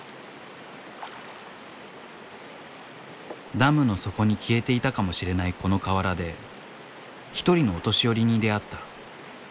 ダムの底に消えていたかもしれないこの河原で１人のお年寄りに出会った。